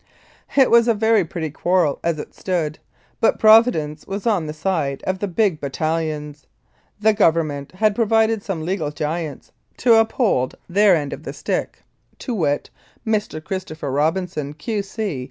It was a very pretty quarrel as it stood, but Provi dence was on the side of the big battalions. The Govern ment had provided some legal giants to uphold their end of the stick, to wit : Mr. Christopher Robinson, Q.C.